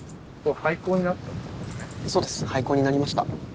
廃校になりました。